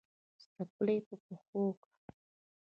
څپلۍ په پښو که